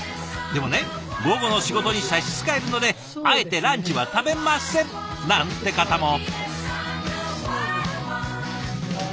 でもね午後の仕事に差し支えるのであえてランチは食べませんなんて方も。